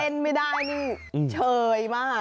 ใครเต้นไม่ได้นี่เฉยมาก